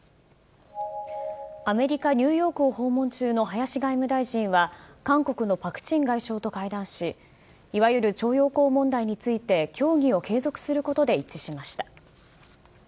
アメリカ・ニューヨークを訪問中の林外務大臣は韓国のパク・チン外相と会談し、いわゆる徴用工問題について、協議を継続することで一致しました。